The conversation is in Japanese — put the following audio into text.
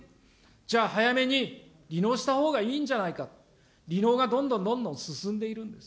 じゃあ、早めに離農したほうがいいんじゃないか、離農がどんどんどんどん進んでいるんです。